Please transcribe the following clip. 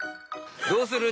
どうする？